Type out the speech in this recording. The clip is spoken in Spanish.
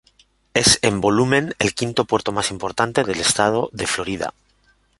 Es en volumen el quinto puerto más importante del estado de Florida.